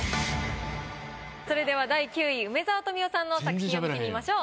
それでは第９位梅沢富美男さんの作品を見てみましょう。